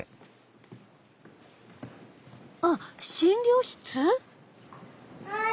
あっ診療室？